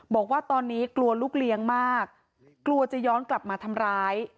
บอกว่าตอนนี้กลัวลูกเลี้ยงมากกลัวจะย้อนกลับมาทำร้าย